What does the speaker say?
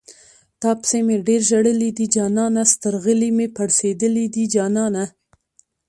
تاپسې مې ډېر ژړلي دي جانانه سترغلي مې پړسېدلي دي جانانه